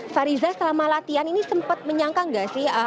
fariza selama latihan ini sempat menyangka gak sih